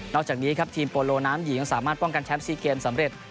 อกจากนี้ครับทีมโปโลน้ำหญิงสามารถป้องกันแชมป์๔เกมสำเร็จ